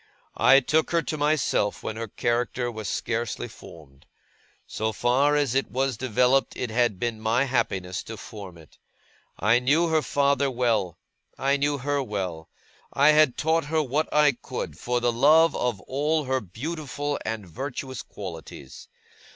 I took her to myself when her character was scarcely formed. So far as it was developed, it had been my happiness to form it. I knew her father well. I knew her well. I had taught her what I could, for the love of all her beautiful and virtuous qualities.